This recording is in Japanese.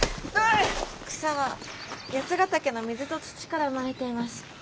草は八ヶ岳の水と土から生まれています。